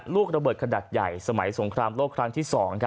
ลูกระเบิดขนาดใหญ่สมัยสงครามโลกครั้งที่๒